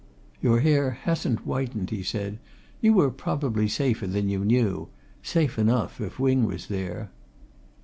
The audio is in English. "Your hair hasn't whitened," he said. "You were probably safer than you knew safe enough, if Wing was there."